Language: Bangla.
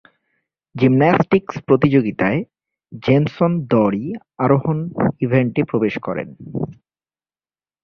জিমন্যাস্টিকস প্রতিযোগিতায়, জেনসেন দড়ি আরোহণ ইভেন্টে প্রবেশ করেন।